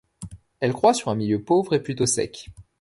Elle croît sur un milieu pauvre, et plutôt sec.